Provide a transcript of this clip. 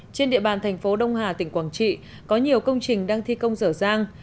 trên địa bàn thành phố đông hà tỉnh quảng trị có nhiều công trình đang thi công rở ràng